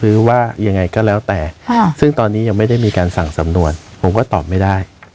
หรือว่ายังไงก็แล้วแต่ซึ่งตอนนี้ยังไม่ได้มีการสั่งสำนวนผมก็ตอบไม่ได้